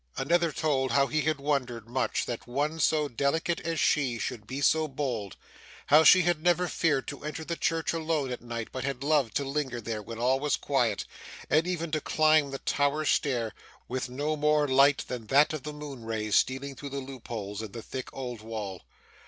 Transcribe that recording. Another told, how he had wondered much that one so delicate as she, should be so bold; how she had never feared to enter the church alone at night, but had loved to linger there when all was quiet, and even to climb the tower stair, with no more light than that of the moon rays stealing through the loopholes in the thick old wall.